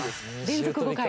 連続５回。